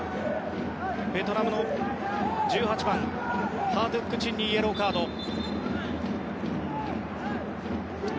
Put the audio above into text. ベトナム１８番、ハ・ドゥック・チンにイエローカード。